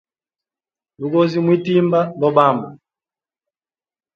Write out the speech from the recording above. Lugozi mwitimba lobamba.